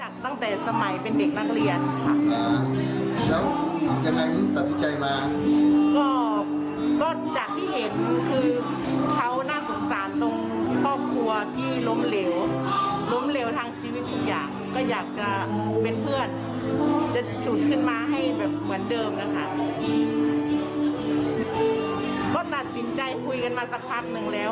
ก็ตัดสินใจคุยกันมาสักพักนึงแล้ว